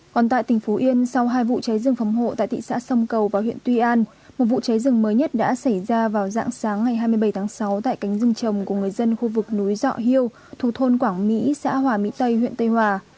còn tại tỉnh phú yên sau hai vụ cháy rừng phòng hộ tại thị xã sông cầu và huyện tuy an một vụ cháy rừng mới nhất đã xảy ra vào dạng sáng ngày hai mươi bảy tháng sáu tại cánh rừng trồng của người dân khu vực núi dọ hiêu thuộc thôn quảng mỹ xã hòa mỹ tây huyện tây hòa